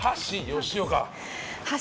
吉岡。